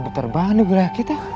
berterbangan di wilayah kita